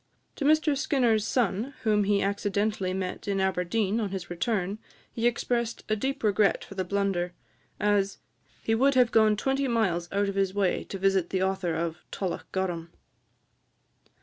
To Mr Skinner's son, whom he accidentally met in Aberdeen on his return, he expressed a deep regret for the blunder, as "he would have gone twenty miles out of his way to visit the author of 'Tullochgorum.'"